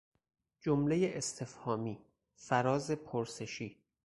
جملهی استفهامی، فراز پرسشی